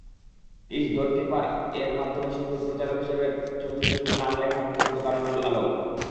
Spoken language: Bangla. ইস্ ধরতি পার-এর মাধ্যমে সংগীত পরিচালক হিসেবে চলচ্চিত্রে নাম লেখান খোন্দকার নূরুল আলম।